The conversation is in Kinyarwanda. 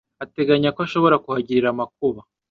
Ateganya ko ashobora kuhagirira amakuba.